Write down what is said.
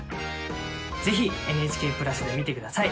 ぜひＮＨＫプラスで見て下さい。